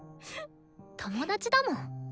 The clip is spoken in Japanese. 友達だもん。